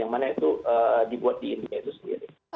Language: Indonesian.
yang mana itu dibuat di india itu sendiri